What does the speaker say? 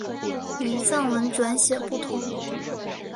与藏文转写不同。